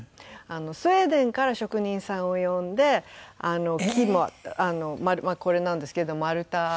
スウェーデンから職人さんを呼んで木もこれなんですけど丸太を。